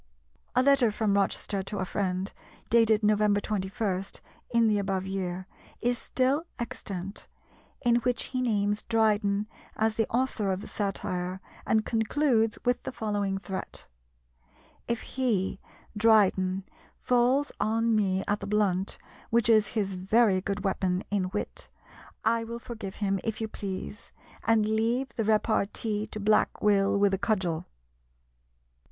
A letter from Rochester to a friend, dated November 21, in the above year, is still extant, in which he names Dryden as the author of the satire, and concludes with the following threat: "If he (Dryden) falls on me at the blunt, which is his very good weapon in wit, I will forgive him, if you please, and leave the repartee to Black Will with a cudgel."